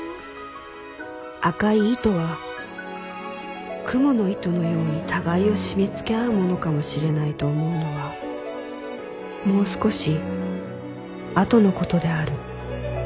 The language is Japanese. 赤い糸は蜘蛛の糸のように互いを締めつけ合うものかもしれないと思うのはもう少しあとの事である